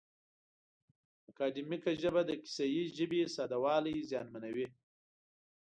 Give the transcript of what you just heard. اکاډیمیکه ژبه د کیسه یي ژبې ساده والی زیانمنوي.